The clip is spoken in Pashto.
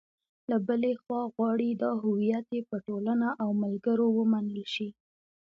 له بلې خوا غواړي دا هویت یې په ټولنه او ملګرو ومنل شي.